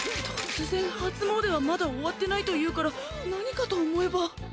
突然初詣はまだ終わってないと言うから何かと思えば。